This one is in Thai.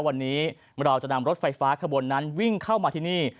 วันนี้เราจะนำรถไฟฟ้าขบวนนั้นวิ่งเข้ามาที่นี่